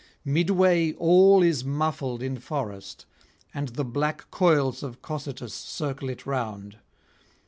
Midway all is muffled in forest, and the black coils of Cocytus circle it round.